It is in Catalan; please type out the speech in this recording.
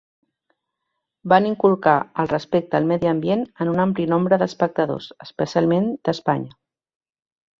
Van inculcar el respecte al medi ambient en un ampli nombre d'espectadors, especialment d'Espanya.